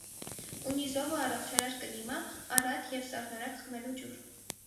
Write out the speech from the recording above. Ունի զով ու առողջարար կլիմայ, առատ եւ սառնորակ խմելու ջուր։